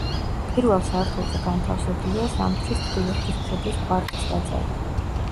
პირველ სართულზე განთავსებულია ზამთრის თბილი ღვთისმშობლის კვართის ტაძარი.